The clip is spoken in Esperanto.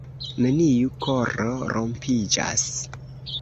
neniu koro rompiĝas